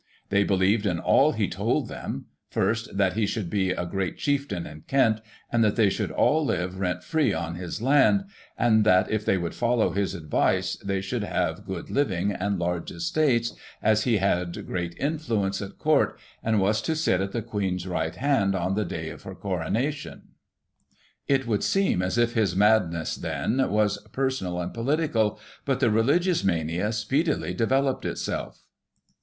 They believed in all he told them ; first that he should be a great chieftain in Kent, and that they should all live rent free on his land, and that if they would follow his advice, they should have good living and large estates, as he had great influence at Court, and was to sit at the Queen's right hand, on the day of her Coronatioa It would seem as if his madness, then, was personal and political, but the religious mania speedily developed itself.